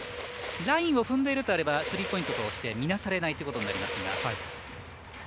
ラインを踏んでいるということであればスリーポイントとしてみなされないということでありますが。